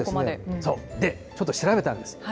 そう、で、ちょっと調べたんです。